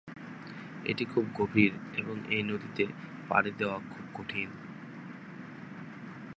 এটি খুব গভীর এবং এই নদীতে পাড়ি দেওয়া খুব কঠিন।